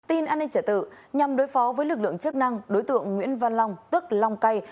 tin an ninh trả tự nhằm đối phó với lực lượng chức năng đối tượng nguyễn văn long tức long cay